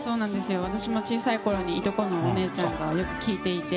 私も小さいころにいとこのお姉ちゃんがよく聴いていて。